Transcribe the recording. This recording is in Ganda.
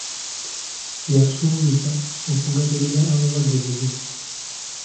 Yasuubiza okugabirira abawagizi be.